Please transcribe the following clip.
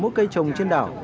mỗi cây trồng trên đảo